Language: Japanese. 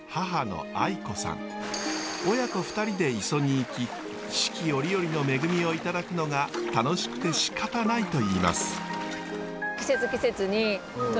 親子２人で磯に行き四季折々の恵みをいただくのが楽しくてしかたないといいます。